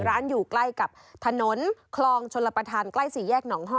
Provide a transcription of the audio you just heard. ร้านอยู่ใกล้กับถนนคลองชนรปฐานใกล้๔แยก๒ห้อ